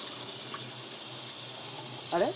あれ？